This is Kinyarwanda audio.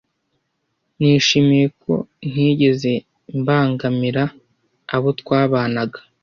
Nishimiye ko ntigeze mbangamira abo twabanaga